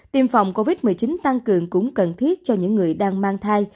tiêm phòng covid một mươi chín tăng cường cũng cần thiết cho những người đang mang thai